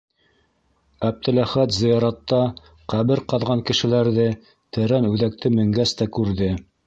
Әптеләхәт зыяратта ҡәбер ҡаҙған кешеләрҙе тәрән үҙәкте менгәс тә күрҙе.